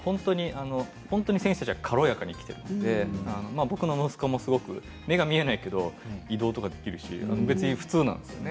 本当に選手たちは軽やかに生きているので僕の息子も目が見えないけど移動とかできるし別に普通なんですよね。